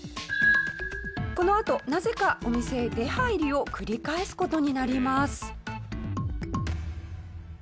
このあとなぜかお店へ出入りを繰り返す事になります。